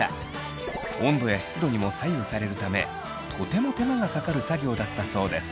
温度や湿度にも左右されるためとても手間がかかる作業だったそうです。